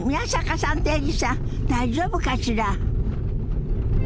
大丈夫かしら？